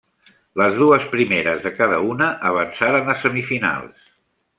Les dues primeres de cada una avançaren a semifinals.